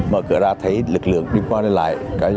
mở cửa ra thấy lực lượng đi qua đi lại